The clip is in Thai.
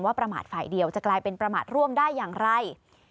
ประมาทฝ่ายเดียวจะกลายเป็นประมาทร่วมได้อย่างไร